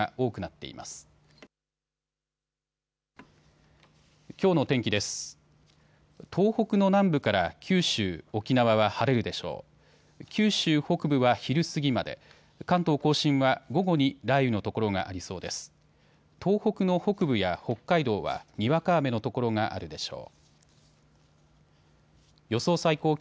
東北の北部や北海道は、にわか雨の所があるでしょう。